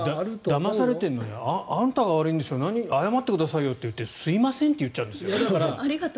だまされているのにあなたが悪いんでしょ謝ってくださいと言ってすいませんと言っちゃうんですよ。